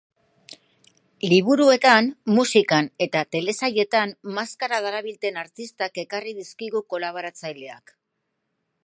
Liburuetan, musikan eta telesailetan maskara darabilten artistak ekarri dizkigu kolaboratzaileak.